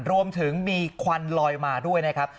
รวมถึงมีควันลอยมาด้วยนะครับ